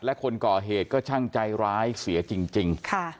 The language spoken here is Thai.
และคนก่อเหตุก็ช่างใจร้ายเสียจริง